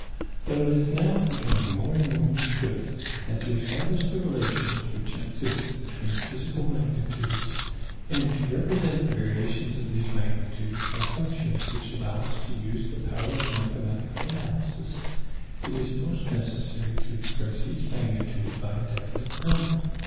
But it is now becoming more and more understood that to establish the relations which exist between physical magnitudes, and to represent the variations of these magnitudes by functions which allow us to use the power of mathematical analysis, it is most necessary to express each magnitude by a definite number.